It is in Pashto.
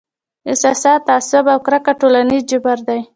احساسات، تعصب او کرکه ټولنیز جبر دی.